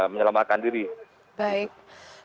penyelamatkan diri baik